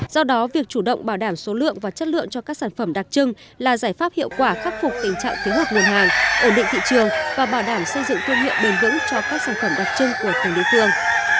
do đó việc chủ động bảo đảm số lượng và chất lượng cho các sản phẩm đặc trưng là giải pháp hiệu quả khắc phục tình trạng thiếu hụt nguồn hàng ổn định thị trường và bảo đảm xây dựng thương hiệu bền vững cho các sản phẩm đặc trưng của từng đối tượng